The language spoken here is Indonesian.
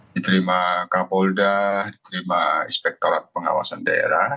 diterima kapolda diterima inspektorat pengawasan daerah